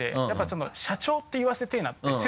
やっぱ「社長」って言わせてぇなって。